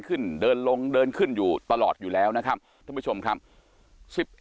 ขึ้นเดินลงเดินขึ้นอยู่ตลอดอยู่แล้วนะครับท่านผู้ชมครับ๑๑